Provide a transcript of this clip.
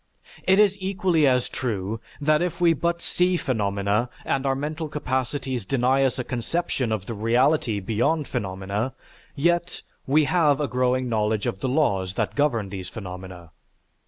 It is equally as true that if we but see phenomena and our mental capacities deny us a conception of the reality beyond phenomena, yet, we have a growing knowledge of the laws that govern these phenomena.